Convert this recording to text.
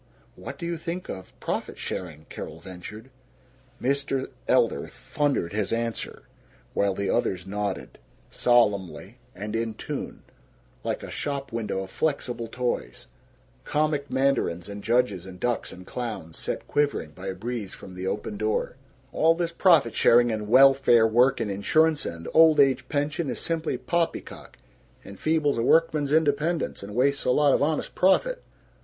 "What do you think of profit sharing?" Carol ventured. Mr. Elder thundered his answer, while the others nodded, solemnly and in tune, like a shop window of flexible toys, comic mandarins and judges and ducks and clowns, set quivering by a breeze from the open door: "All this profit sharing and welfare work and insurance and old age pension is simply poppycock. Enfeebles a workman's independence and wastes a lot of honest profit.